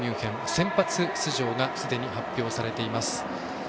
先発出場がすでに発表されてます。